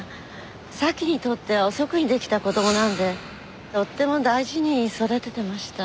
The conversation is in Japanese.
沙希にとっては遅くに出来た子供なんでとっても大事に育ててました。